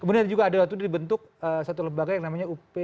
kemudian juga ada waktu itu dibentuk satu lembaga yang namanya up empat b ya